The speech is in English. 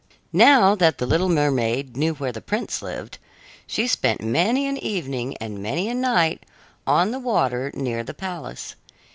Now that the little mermaid knew where the prince lived, she spent many an evening and many a night on the water near the palace.